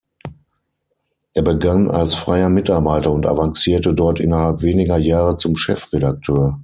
Er begann als freier Mitarbeiter und avancierte dort innerhalb weniger Jahre zum Chefredakteur.